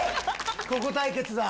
ここ対決だ。